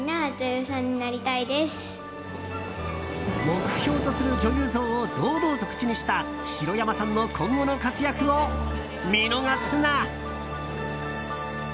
目標とする女優像を堂々と口にした白山さんの今後の活躍を見逃すな。